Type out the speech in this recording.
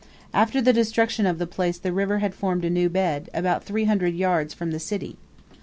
After the destruction of the place the river had formed a new bed, about 300 yards from the city.